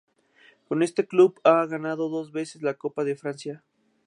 Con este club ha ganado dos veces la Copa de Francia.